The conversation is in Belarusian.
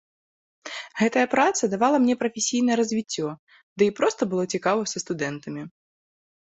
Гэтая праца давала мне прафесійнае развіццё, ды і проста было цікава са студэнтамі!